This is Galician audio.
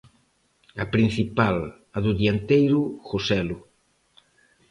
A principal, a do dianteiro Joselu.